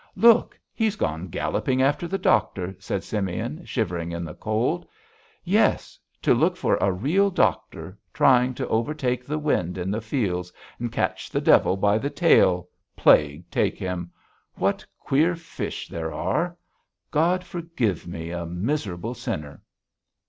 "Look! He's gone galloping after the doctor!" said Simeon, shivering in the cold. "Yes. To look for a real doctor, trying to overtake the wind in the fields, and catch the devil by the tail, plague take him! What queer fish there are! God forgive me, a miserable sinner."